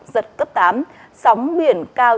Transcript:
giật cấp tám sóng biển cao